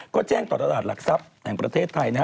ก็แจ้งต่อตราสาหรัฐหลักทรัพย์แห่งประเทศไทย